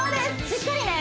しっかりね